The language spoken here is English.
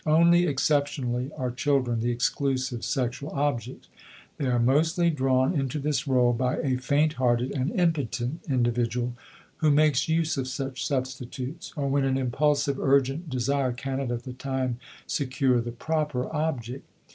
Only exceptionally are children the exclusive sexual objects. They are mostly drawn into this rôle by a faint hearted and impotent individual who makes use of such substitutes, or when an impulsive urgent desire cannot at the time secure the proper object.